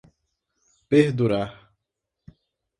perdurar